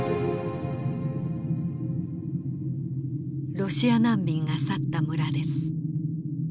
ロシア難民が去った村です。